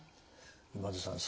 今津さん